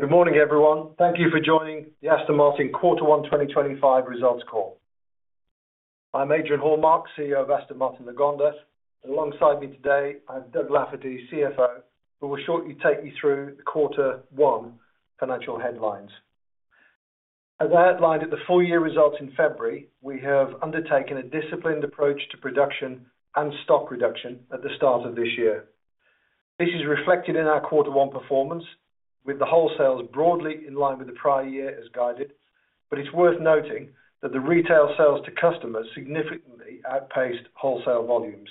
Good morning, everyone. Thank you for joining the Aston Martin quarter one 2025 results call. I'm Adrian Hallmark, CEO of Aston Martin Lagonda, and alongside me today I have Doug Lafferty, CFO, who will shortly take you through quarter one financial headlines. As I outlined at the full-year results in February, we have undertaken a disciplined approach to production and stock reduction at the start of this year. This is reflected in our quarter one performance, with the wholesales broadly in line with the prior year as guided, but it's worth noting that the retail sales to customers significantly outpaced wholesale volumes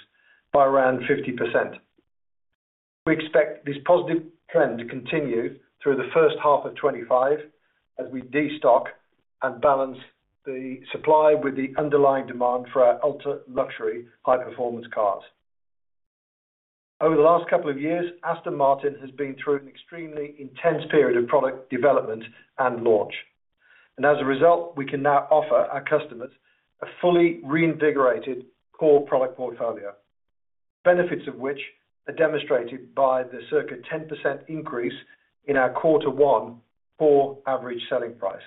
by around 50%. We expect this positive trend to continue through the first half of 2025 as we destock and balance the supply with the underlying demand for our ultra-luxury, high-performance cars. Over the last couple of years, Aston Martin has been through an extremely intense period of product development and launch, and as a result, we can now offer our customers a fully reinvigorated core product portfolio, the benefits of which are demonstrated by the circa 10% increase in our quarter one core average selling price.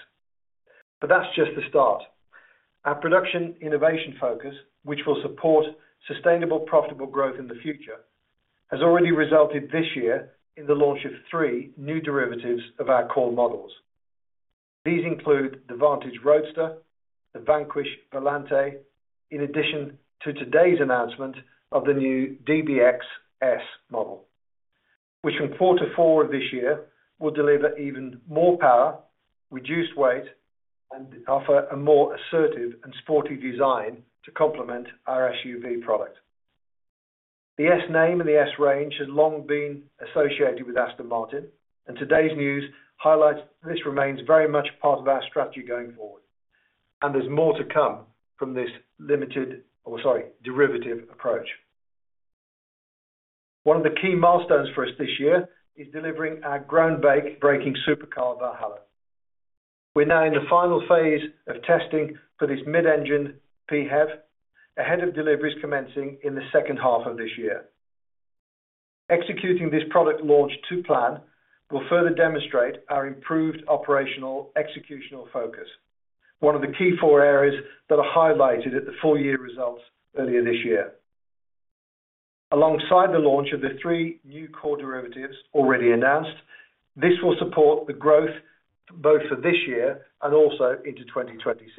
That is just the start. Our production innovation focus, which will support sustainable, profitable growth in the future, has already resulted this year in the launch of three new derivatives of our core models. These include the Vantage Roadster, the Vanquish Volante, in addition to today's announcement of the new DBX S model, which from quarter four of this year will deliver even more power, reduced weight, and offer a more assertive and sporty design to complement our SUV product. The S name and the S range has long been associated with Aston Martin, and today's news highlights that this remains very much part of our strategy going forward, and there's more to come from this limited, oh, sorry, derivative approach. One of the key milestones for us this year is delivering our groundbreaking supercar Valhalla. We're now in the final phase of testing for this mid-engine PHEV, ahead of deliveries commencing in the second half of this year. Executing this product launch to plan will further demonstrate our improved operational executional focus, one of the key four areas that are highlighted at the full-year results earlier this year. Alongside the launch of the three new core derivatives already announced, this will support the growth both for this year and also into 2026,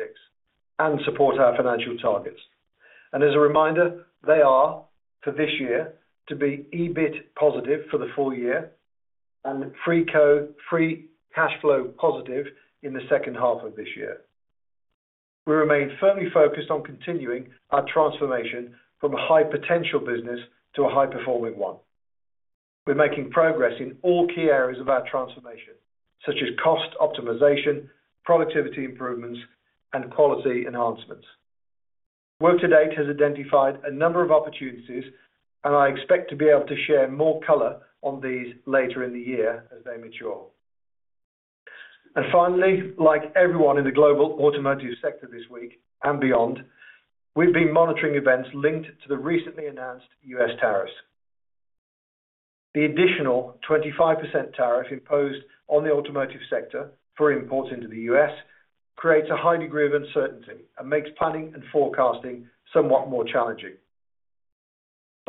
and support our financial targets. As a reminder, they are, for this year, to be EBIT positive for the full year and free cash flow positive in the second half of this year. We remain firmly focused on continuing our transformation from a high-potential business to a high-performing one. We're making progress in all key areas of our transformation, such as cost optimization, productivity improvements, and quality enhancements. Work to date has identified a number of opportunities, and I expect to be able to share more color on these later in the year as they mature. Finally, like everyone in the global automotive sector this week and beyond, we've been monitoring events linked to the recently announced U.S. tariffs. The additional 25% tariff imposed on the automotive sector for imports into the U.S. creates a high degree of uncertainty and makes planning and forecasting somewhat more challenging.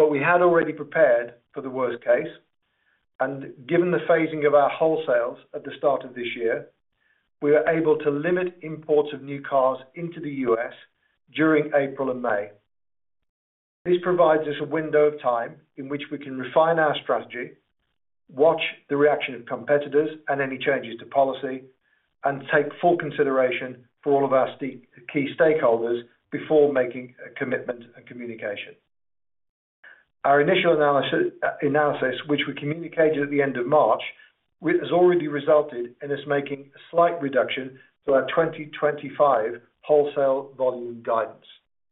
We had already prepared for the worst case, and given the phasing of our wholesales at the start of this year, we were able to limit imports of new cars into the U.S. during April and May. This provides us a window of time in which we can refine our strategy, watch the reaction of competitors and any changes to policy, and take full consideration for all of our key stakeholders before making a commitment and communication. Our initial analysis, which we communicated at the end of March, has already resulted in us making a slight reduction to our 2025 wholesale volume guidance,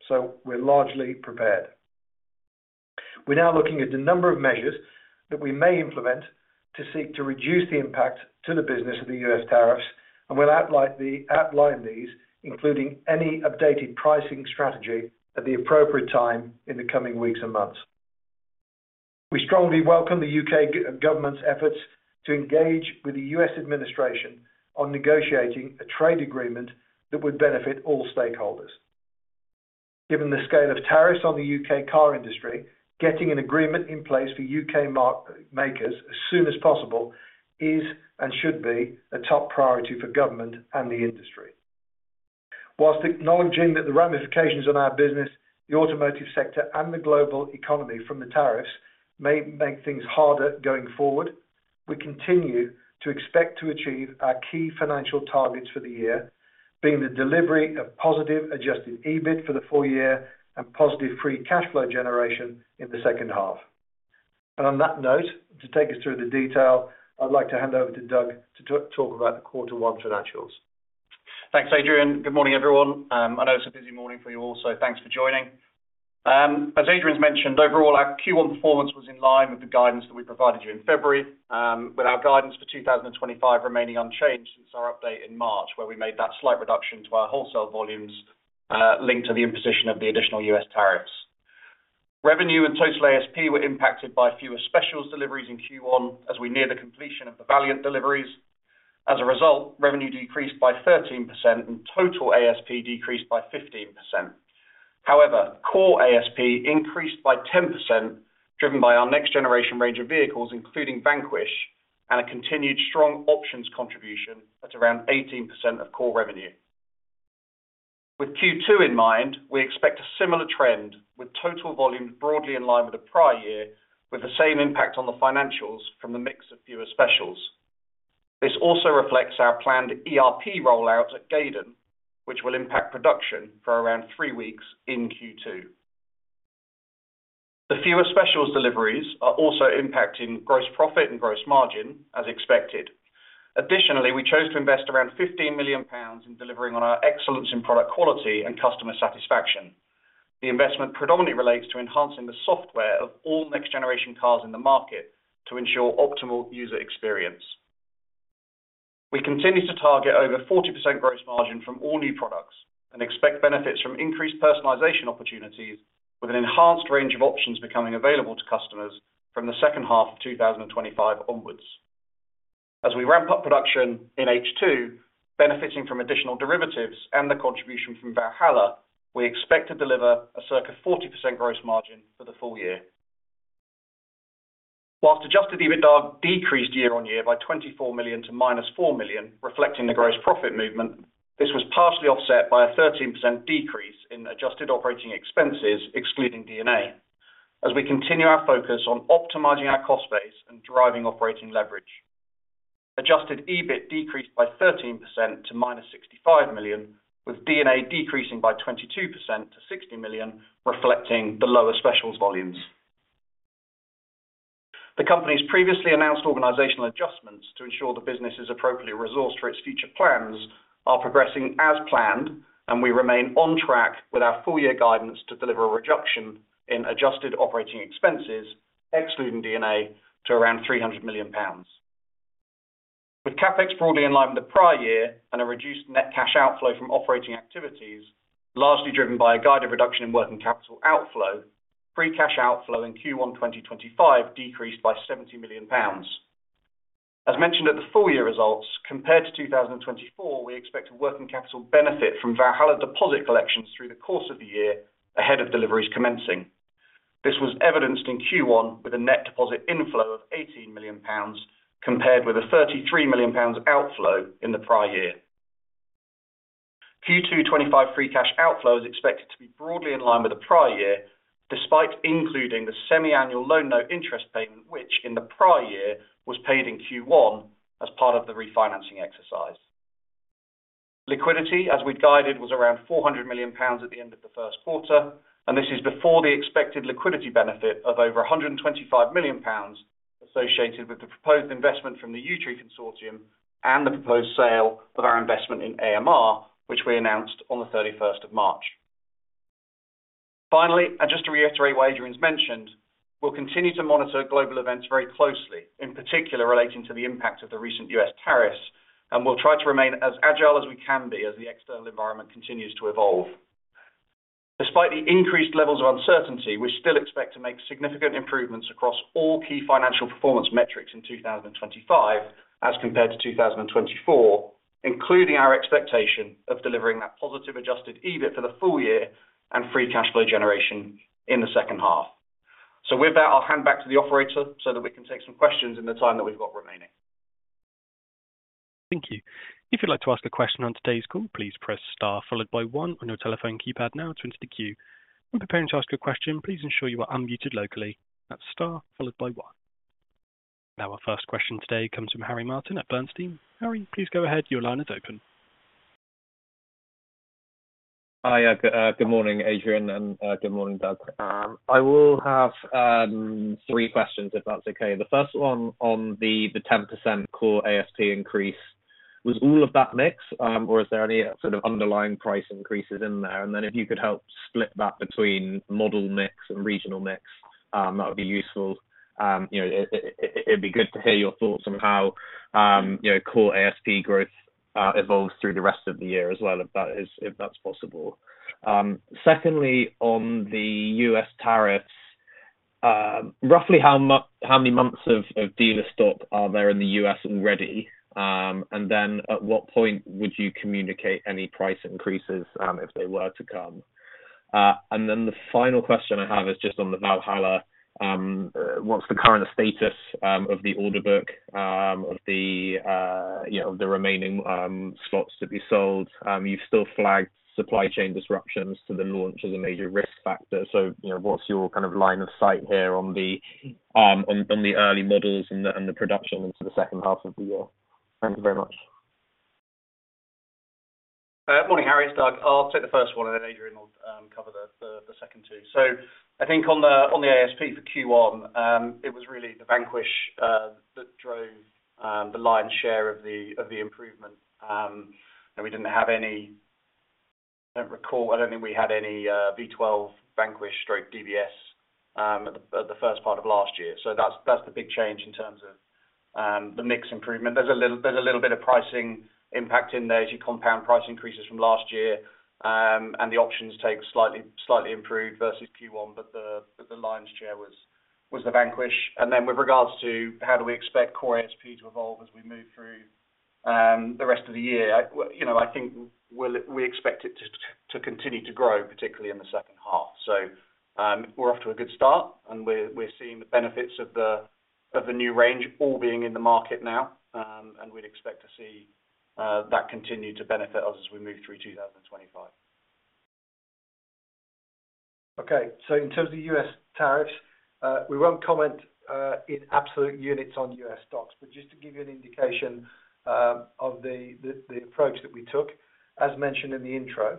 so we're largely prepared. We're now looking at a number of measures that we may implement to seek to reduce the impact to the business of the U.S. tariffs, and we'll outline these, including any updated pricing strategy at the appropriate time in the coming weeks and months. We strongly welcome the U.K. government's efforts to engage with the U.S. administration on negotiating a trade agreement that would benefit all stakeholders. Given the scale of tariffs on the U.K. car industry, getting an agreement in place for U.K. makers as soon as possible is and should be a top priority for government and the industry. Whilst acknowledging that the ramifications on our business, the automotive sector, and the global economy from the tariffs may make things harder going forward, we continue to expect to achieve our key financial targets for the year, being the delivery of positive adjusted EBIT for the full year and positive free cash flow generation in the second half. On that note, to take us through the detail, I'd like to hand over to Doug to talk about the quarter one financials. Thanks, Adrian. Good morning, everyone. I know it's a busy morning for you all, so thanks for joining. As Adrian's mentioned, overall, our Q1 performance was in line with the guidance that we provided you in February, with our guidance for 2025 remaining unchanged since our update in March, where we made that slight reduction to our wholesale volumes linked to the imposition of the additional U.S. tariffs. Revenue and total ASP were impacted by fewer specials deliveries in Q1 as we neared the completion of the Valiant deliveries. As a result, revenue decreased by 13% and total ASP decreased by 15%. However, core ASP increased by 10%, driven by our next-generation range of vehicles, including Vanquish, and a continued strong options contribution at around 18% of core revenue. With Q2 in mind, we expect a similar trend with total volumes broadly in line with the prior year, with the same impact on the financials from the mix of fewer specials. This also reflects our planned ERP rollout at Gaydon, which will impact production for around three weeks in Q2. The fewer specials deliveries are also impacting gross profit and gross margin, as expected. Additionally, we chose to invest around 15 million pounds in delivering on our excellence in product quality and customer satisfaction. The investment predominantly relates to enhancing the software of all next-generation cars in the market to ensure optimal user experience. We continue to target over 40% gross margin from all new products and expect benefits from increased personalization opportunities, with an enhanced range of options becoming available to customers from the second half of 2025 onwards. As we ramp up production in H2, benefiting from additional derivatives and the contribution from Valhalla, we expect to deliver a circa 40% gross margin for the full year. Whilst adjusted EBITDA decreased year-on-year by 24 million to -4 million, reflecting the gross profit movement, this was partially offset by a 13% decrease in adjusted operating expenses, excluding DNA, as we continue our focus on optimizing our cost base and driving operating leverage. Adjusted EBIT decreased by 13% to -65 million, with DNA decreasing by 22% to 60 million, reflecting the lower specials volumes. The company's previously announced organizational adjustments to ensure the business is appropriately resourced for its future plans are progressing as planned, and we remain on track with our full-year guidance to deliver a reduction in adjusted operating expenses, excluding DNA, to around 300 million pounds. With CapEx broadly in line with the prior year and a reduced net cash outflow from operating activities, largely driven by a guided reduction in working capital outflow, free cash outflow in Q1 2025 decreased by 70 million pounds. As mentioned at the full-year results, compared to 2024, we expect a working capital benefit from Valhalla deposit collections through the course of the year ahead of deliveries commencing. This was evidenced in Q1 with a net deposit inflow of 18 million pounds, compared with a 33 million pounds outflow in the prior year. Q2 2025 free cash outflow is expected to be broadly in line with the prior year, despite including the semi-annual loan note interest payment, which in the prior year was paid in Q1 as part of the refinancing exercise. Liquidity, as we guided, was around 400 million pounds at the end of the first quarter, and this is before the expected liquidity benefit of over 125 million pounds associated with the proposed investment from the Yutri Consortium and the proposed sale of our investment in AMR, which we announced on the 31st of March. Finally, and just to reiterate what Adrian's mentioned, we'll continue to monitor global events very closely, in particular relating to the impact of the recent U.S. tariffs, and we'll try to remain as agile as we can be as the external environment continues to evolve. Despite the increased levels of uncertainty, we still expect to make significant improvements across all key financial performance metrics in 2025 as compared to 2024, including our expectation of delivering that positive adjusted EBIT for the full year and free cash flow generation in the second half. With that, I'll hand back to the operator so that we can take some questions in the time that we've got remaining. Thank you. If you'd like to ask a question on today's call, please press star followed by one on your telephone keypad now to enter the queue. When preparing to ask a question, please ensure you are unmuted locally. That's star followed by one. Now, our first question today comes from Harry Martin at Bernstein. Harry, please go ahead. Your line is open. Hi, good morning, Adrian, and good morning, Doug. I will have three questions, if that's okay. The first one on the 10% core ASP increase, was all of that mix, or is there any sort of underlying price increases in there? If you could help split that between model mix and regional mix, that would be useful. It would be good to hear your thoughts on how core ASP growth evolves through the rest of the year as well, if that's possible. Secondly, on the U.S. tariffs, roughly how many months of dealer stock are there in the U.S. already? At what point would you communicate any price increases if they were to come? The final question I have is just on the Valhalla. What's the current status of the order book of the remaining slots to be sold? You've still flagged supply chain disruptions to the launch as a major risk factor. What is your kind of line of sight here on the early models and the production into the second half of the year? Thank you very much. Morning, Harry. It's Doug. I'll take the first one, and then Adrian will cover the second two. I think on the ASP for Q1, it was really the Vanquish that drove the lion's share of the improvement. We did not have any—I do not recall—I do not think we had any V12 Vanquish or DBS at the first part of last year. That is the big change in terms of the mix improvement. There is a little bit of pricing impact in there as you compound price increases from last year, and the options take slightly improved versus Q1, but the lion's share was the Vanquish. With regards to how do we expect core ASP to evolve as we move through the rest of the year, I think we expect it to continue to grow, particularly in the second half. We're off to a good start, and we're seeing the benefits of the new range all being in the market now, and we'd expect to see that continue to benefit us as we move through 2025. Okay. In terms of U.S. tariffs, we will not comment in absolute units on U.S. stocks, but just to give you an indication of the approach that we took, as mentioned in the intro,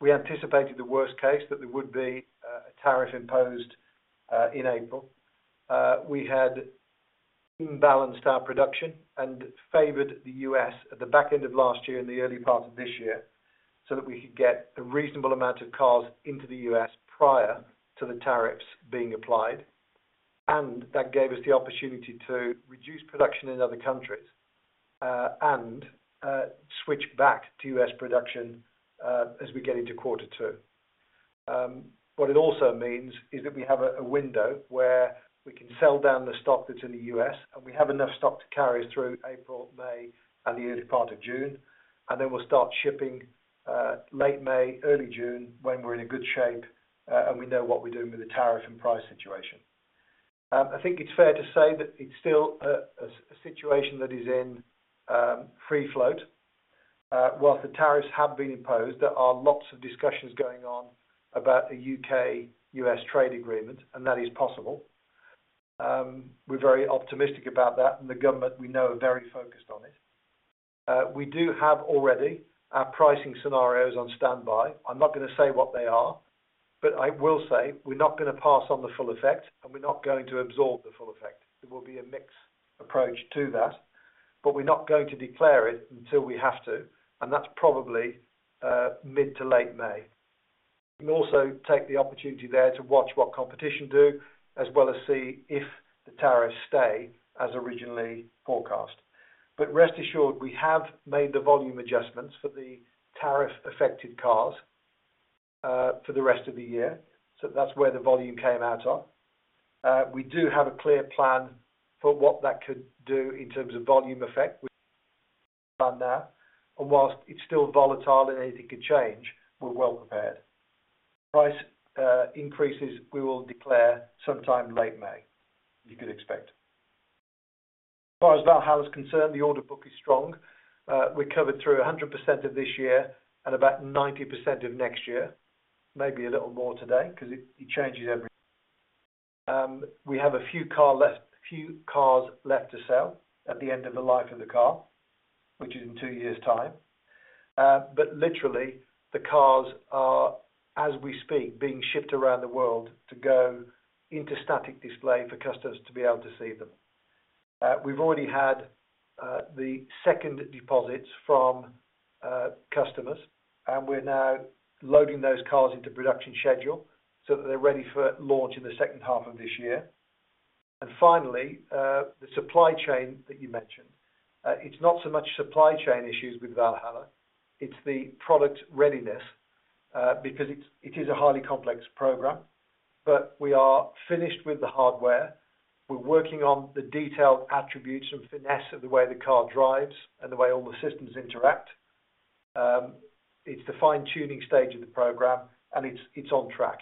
we anticipated the worst case that there would be a tariff imposed in April. We had imbalanced our production and favored the U.S. at the back end of last year and the early part of this year so that we could get a reasonable amount of cars into the U.S. prior to the tariffs being applied. That gave us the opportunity to reduce production in other countries and switch back to U.S. production as we get into quarter two. What it also means is that we have a window where we can sell down the stock that's in the U.S., and we have enough stock to carry through April, May, and the early part of June. We will start shipping late May, early June when we're in a good shape and we know what we're doing with the tariff and price situation. I think it's fair to say that it's still a situation that is in free float. Whilst the tariffs have been imposed, there are lots of discussions going on about a U.K.-U.S. trade agreement, and that is possible. We're very optimistic about that, and the government we know are very focused on it. We do have already our pricing scenarios on standby. I'm not going to say what they are, but I will say we're not going to pass on the full effect, and we're not going to absorb the full effect. There will be a mixed approach to that, but we're not going to declare it until we have to, and that's probably mid to late May. We can also take the opportunity there to watch what competition do, as well as see if the tariffs stay as originally forecast. Rest assured, we have made the volume adjustments for the tariff-affected cars for the rest of the year, so that's where the volume came out of. We do have a clear plan for what that could do in terms of volume effect, which we've done now. Whilst it's still volatile and anything could change, we're well prepared. Price increases we will declare sometime late May, you could expect. As far as Valhalla is concerned, the order book is strong. We're covered through 100% of this year and about 90% of next year, maybe a little more today because it changes every year. We have a few cars left to sell at the end of the life of the car, which is in two years' time. Literally, the cars are, as we speak, being shipped around the world to go into static display for customers to be able to see them. We've already had the second deposits from customers, and we're now loading those cars into production schedule so that they're ready for launch in the second half of this year. Finally, the supply chain that you mentioned, it's not so much supply chain issues with Valhalla. It's the product readiness because it is a highly complex program, but we are finished with the hardware. We're working on the detailed attributes and finesse of the way the car drives and the way all the systems interact. It's the fine-tuning stage of the program, and it's on track.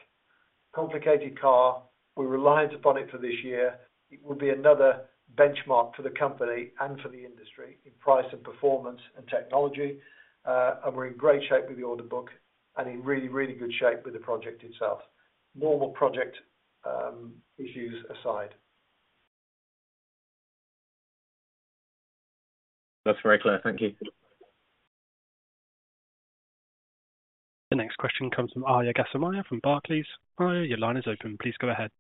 Complicated car, we're reliant upon it for this year. It will be another benchmark for the company and for the industry in price and performance and technology. We're in great shape with the order book and in really, really good shape with the project itself, normal project issues aside. That's very clear. Thank you. The next question comes from Arya Ghassemieh from Barclays. Arya, your line is open. Please go ahead.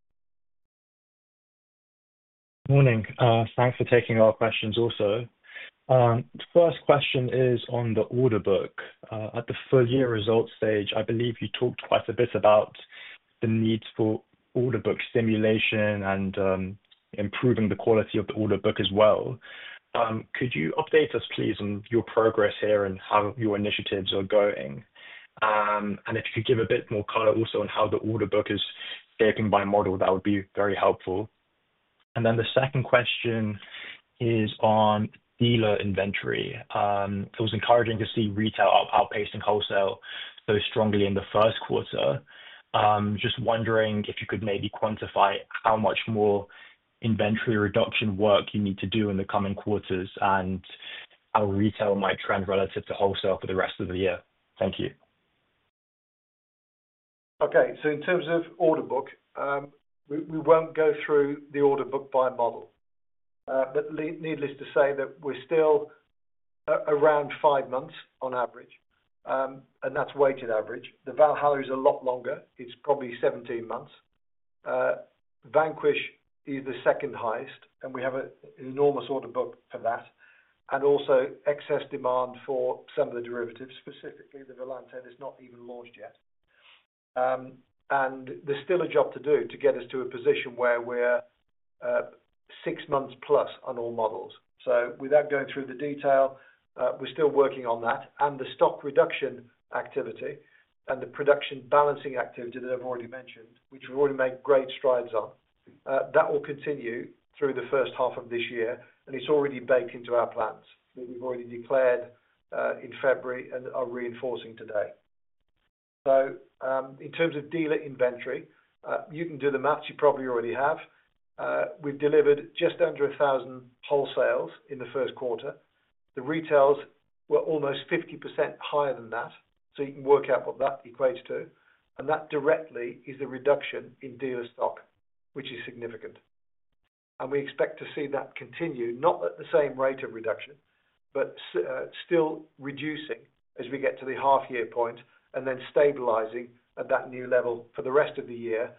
Morning. Thanks for taking our questions also. First question is on the order book. At the full-year results stage, I believe you talked quite a bit about the need for order book simulation and improving the quality of the order book as well. Could you update us, please, on your progress here and how your initiatives are going? If you could give a bit more color also on how the order book is shaping by model, that would be very helpful. The second question is on dealer inventory. It was encouraging to see retail outpacing wholesale so strongly in the first quarter. Just wondering if you could maybe quantify how much more inventory reduction work you need to do in the coming quarters and how retail might trend relative to wholesale for the rest of the year. Thank you. Okay. In terms of order book, we won't go through the order book by model. Needless to say that we're still around five months on average, and that's weighted average. The Valhalla is a lot longer. It's probably 17 months. Vanquish is the second highest, and we have an enormous order book for that. Also, excess demand for some of the derivatives, specifically the Volante, that's not even launched yet. There's still a job to do to get us to a position where we're six months plus on all models. Without going through the detail, we're still working on that. The stock reduction activity and the production balancing activity that I've already mentioned, which we've already made great strides on, will continue through the first half of this year. It is already baked into our plans that we have already declared in February and are reinforcing today. In terms of dealer inventory, you can do the maths. You probably already have. We have delivered just under 1,000 wholesales in the first quarter. The retails were almost 50% higher than that. You can work out what that equates to. That directly is the reduction in dealer stock, which is significant. We expect to see that continue, not at the same rate of reduction, but still reducing as we get to the half-year point and then stabilizing at that new level for the rest of the year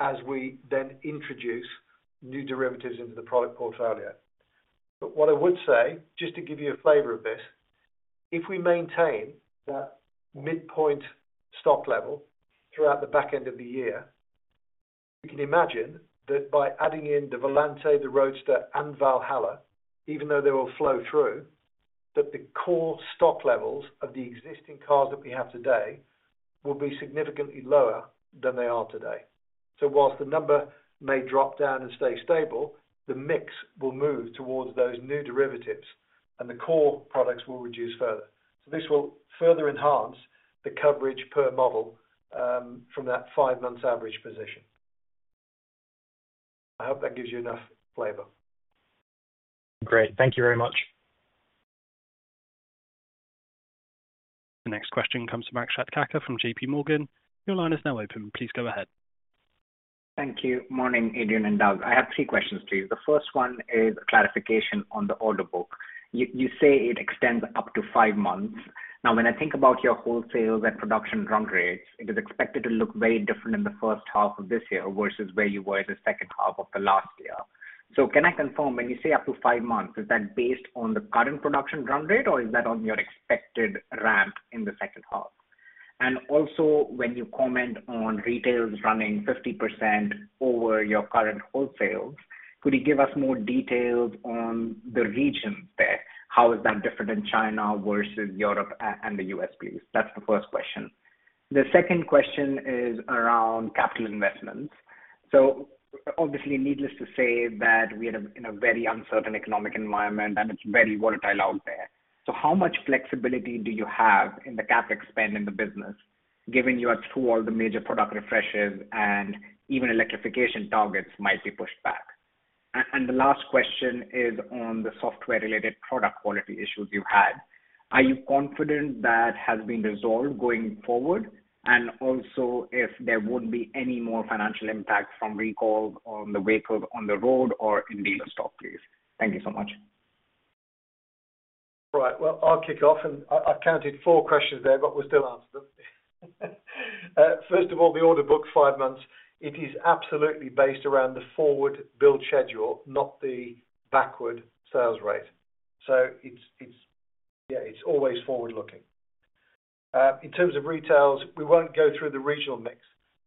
as we introduce new derivatives into the product portfolio. What I would say, just to give you a flavor of this, if we maintain that midpoint stock level throughout the back end of the year, you can imagine that by adding in the Volante, the Roadster, and Valhalla, even though they will flow through, the core stock levels of the existing cars that we have today will be significantly lower than they are today. Whilst the number may drop down and stay stable, the mix will move towards those new derivatives, and the core products will reduce further. This will further enhance the coverage per model from that five-month average position. I hope that gives you enough flavor. Great. Thank you very much. The next question comes from Akshat Kacker from JP Morgan. Your line is now open. Please go ahead. Thank you. Morning, Adrian and Doug. I have three questions to you. The first one is a clarification on the order book. You say it extends up to five months. Now, when I think about your wholesale and production run rates, it is expected to look very different in the first half of this year versus where you were in the second half of the last year. Can I confirm, when you say up to five months, is that based on the current production run rate, or is that on your expected ramp in the second half? Also, when you comment on retails running 50% over your current wholesales, could you give us more details on the region there? How is that different in China versus Europe and the U.S., please? That's the first question. The second question is around capital investments. Obviously, needless to say that we are in a very uncertain economic environment, and it's very volatile out there. How much flexibility do you have in the CapEx spend in the business, given you are through all the major product refreshes and even electrification targets might be pushed back? The last question is on the software-related product quality issues you've had. Are you confident that has been resolved going forward? Also, if there would be any more financial impact from recall on the vehicles on the road or in dealer stock, please? Thank you so much. Right. I'll kick off. I counted four questions there, but we'll still answer them. First of all, the order book, five months, it is absolutely based around the forward build schedule, not the backward sales rate. Yeah, it's always forward-looking. In terms of retails, we won't go through the regional mix.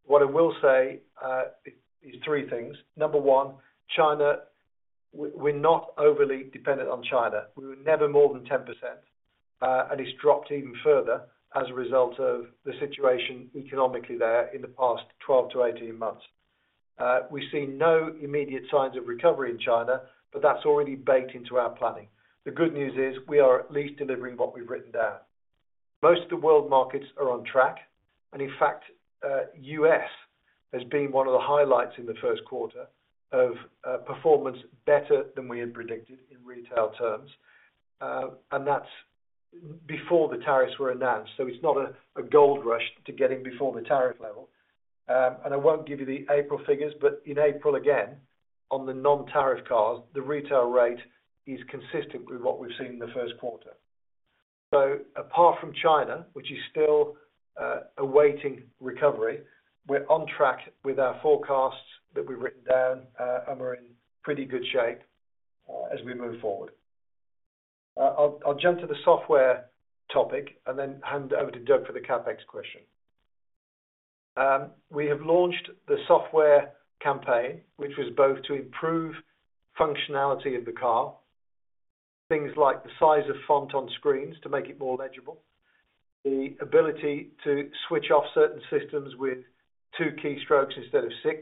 What I will say is three things. Number one, China, we're not overly dependent on China. We were never more than 10%, and it's dropped even further as a result of the situation economically there in the past 12 to 18 months. We see no immediate signs of recovery in China, but that's already baked into our planning. The good news is we are at least delivering what we've written down. Most of the world markets are on track. In fact, the U.S. has been one of the highlights in the first quarter, performing better than we had predicted in retail terms. That is before the tariffs were announced. It is not a gold rush to get in before the tariff level. I will not give you the April figures, but in April, again, on the non-tariff cars, the retail rate is consistent with what we have seen in the first quarter. Apart from China, which is still awaiting recovery, we are on track with our forecasts that we have written down, and we are in pretty good shape as we move forward. I will jump to the software topic and then hand over to Doug for the CapEx question. We have launched the software campaign, which was both to improve functionality of the car, things like the size of font on screens to make it more legible, the ability to switch off certain systems with two keystrokes instead of six,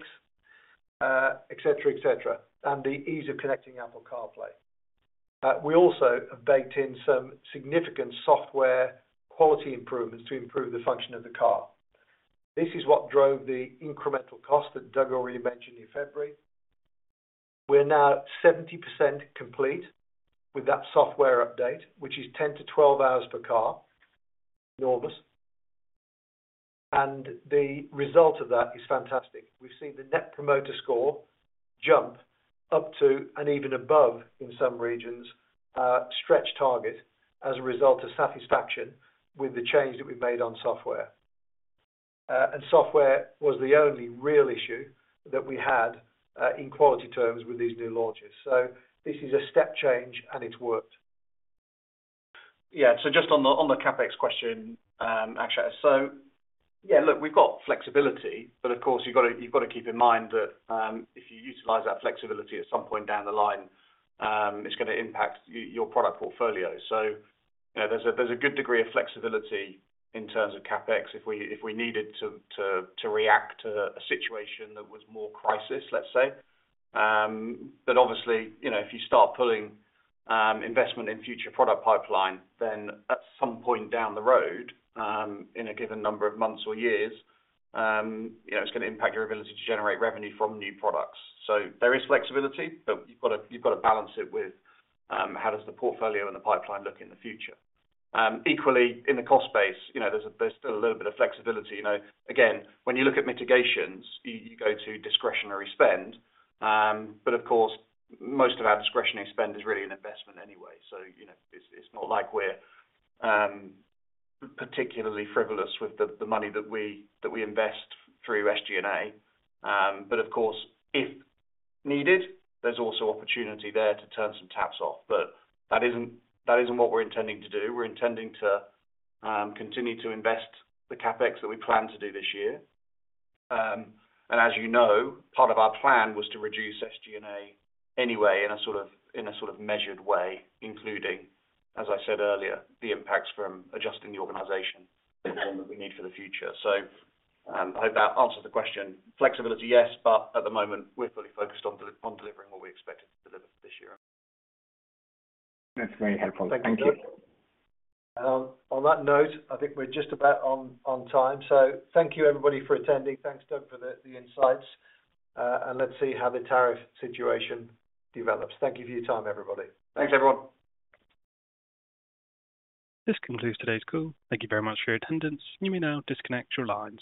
etc., etc., and the ease of connecting Apple CarPlay. We also have baked in some significant software quality improvements to improve the function of the car. This is what drove the incremental cost that Doug already mentioned in February. We are now 70% complete with that software update, which is 10 to 12 hours per car. Enormous. The result of that is fantastic. We have seen the net promoter score jump up to and even above, in some regions, stretch target as a result of satisfaction with the change that we have made on software. Software was the only real issue that we had in quality terms with these new launches. This is a step change, and it's worked. Yeah. So just on the CapEx question, Akshat, yeah, look, we've got flexibility, but of course, you've got to keep in mind that if you utilize that flexibility at some point down the line, it's going to impact your product portfolio. There's a good degree of flexibility in terms of CapEx if we needed to react to a situation that was more crisis, let's say. Obviously, if you start pulling investment in future product pipeline, then at some point down the road, in a given number of months or years, it's going to impact your ability to generate revenue from new products. There is flexibility, but you've got to balance it with how does the portfolio and the pipeline look in the future. Equally, in the cost space, there's still a little bit of flexibility. Again, when you look at mitigations, you go to discretionary spend. Of course, most of our discretionary spend is really an investment anyway. It is not like we are particularly frivolous with the money that we invest through SG&A. Of course, if needed, there is also opportunity there to turn some taps off. That is not what we are intending to do. We are intending to continue to invest the CapEx that we plan to do this year. As you know, part of our plan was to reduce SG&A anyway in a sort of measured way, including, as I said earlier, the impacts from adjusting the organization and what we need for the future. I hope that answers the question. Flexibility, yes, but at the moment, we are fully focused on delivering what we expected to deliver this year. That's very helpful. Thank you. On that note, I think we're just about on time. Thank you, everybody, for attending. Thanks, Doug, for the insights. Let's see how the tariff situation develops. Thank you for your time, everybody. Thanks, everyone. This concludes today's call. Thank you very much for your attendance. You may now disconnect your lines.